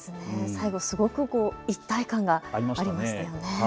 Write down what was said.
最後すごく一体感がありましたよね。